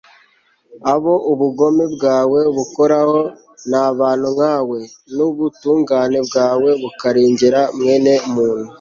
abo ubugome bwawe bukoraho ni abantu nkawe, n'ubutungane bwawe bukarengera mwene muntu